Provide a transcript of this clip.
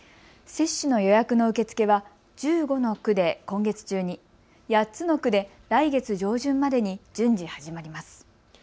接種の予約の受け付けは１５の区で今月中に、８つの区で来月上旬までに順次始まります。